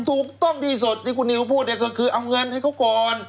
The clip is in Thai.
ถูกต้องที่สุดที่คุณนิวพูดเนี่ยก็คือเอาเงินให้เขาก่อน